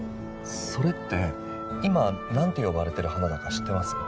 それって今何て呼ばれてる花だか知ってます？